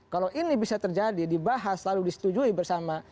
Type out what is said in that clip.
kalau ini bisa terjadi dibahas lalu disetujui bersama